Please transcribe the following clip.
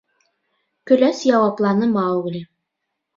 — Көләс яуапланы Маугли.